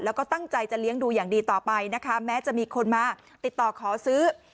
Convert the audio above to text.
แล้วก็ตั้งใจจะเลี้ยงดูอย่างดีต่อไปนะคะแม้จะมีคนมาติดต่อขอซื้อ